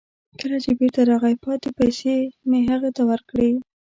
کله چې بیرته راغی، پاتې پیسې مې هغه ته ورکړې.